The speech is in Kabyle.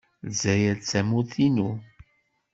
Lezzayer d tamurt-inu.